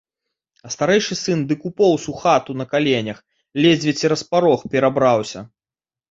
А старэйшы сын дык упоўз у хату на каленях, ледзьве цераз парог перабраўся.